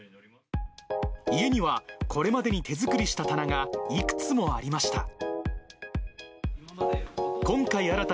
家にはこれまでに手作りした棚がいくつもありました。